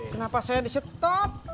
kenapa saya di stop